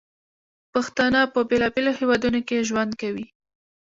پښتانه په بیلابیلو هیوادونو کې ژوند کوي.